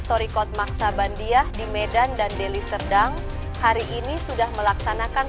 torikot naksabandiah di medan dan deliserdang hari ini sudah melaksanakan